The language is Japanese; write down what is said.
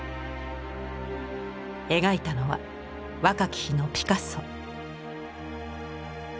描いたのは若き日のピカソ。